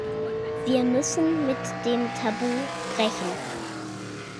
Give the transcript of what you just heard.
Wir müssen mit dem Tabu brechen.